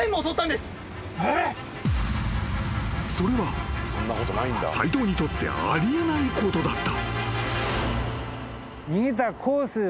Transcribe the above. ［それは斎藤にとってあり得ないことだった］